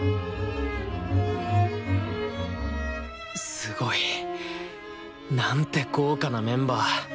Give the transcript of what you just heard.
すごい！なんて豪華なメンバー！